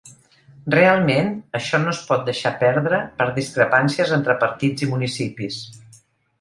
Realment, això no es pot deixar perdre per discrepàncies entre partits i municipis.